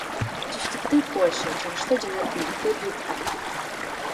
Түштүктө — Польша, чыгышта жана түндүктө — Литва.